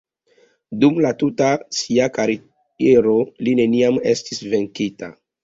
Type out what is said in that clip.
Dum la tuta sia kariero li neniam estis venkita.